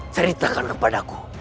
ceritakan kepada aku